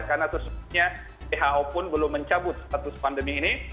karena sebetulnya who pun belum mencabut status pandemi ini